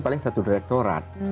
paling satu direktorat